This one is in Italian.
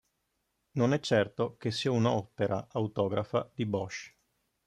Non è certo che sia un'opera autografa di Bosch.